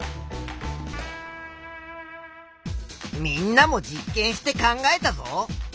みんなも実験して考えたぞ。